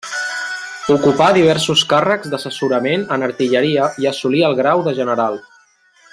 Ocupà diversos càrrecs d'assessorament en artilleria i assolí el grau de general.